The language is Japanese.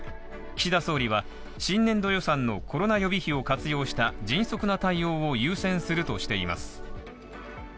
岸田総理は、新年度予算のコロナ予備費を活用した迅速な対応を優先するとしています。